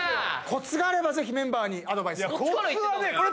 コツがあればぜひメンバーにアドバイスを。